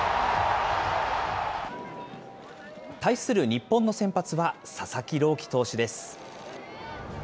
対する日本の先発は佐々木朗希投手です。